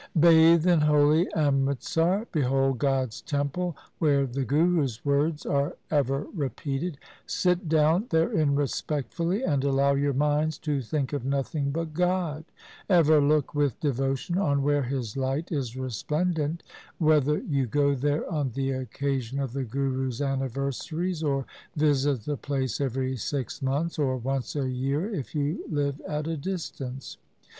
' Bathe in holy Amritsar. Behold God's temple where the Gurus' words are ever repeated. Sit down therein respectfully, and allow your minds to think of nothing but God. Ever look with devotion on where His light is resplendent, whether you go there on the occasion of the Gurus' anniversaries, or visit the place every six months, or once a year if you live at a distance.